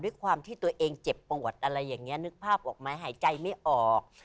ด้วยความที่ตัวเองเจ็บปวดอะไรอย่างนี้นึกภาพออกไหมหายใจไม่ออก